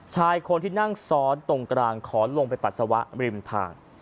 ชายคนที่นั่งซ้อนตรงกลางขอลงไปปัสสาวะริมทาง